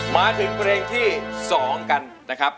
มาถึงเพลงที่๒กันนะครับ